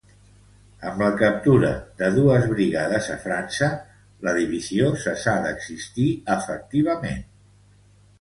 Amb la captura de dues brigades a França, la divisió cessà d'existir efectivament.